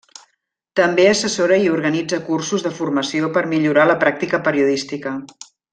També assessora i organitza cursos de formació per a millorar la pràctica periodística.